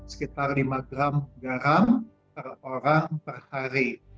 sekitar lima gram garam per orang per hari